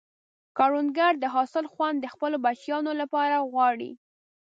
کروندګر د حاصل خوند د خپلو بچیانو لپاره غواړي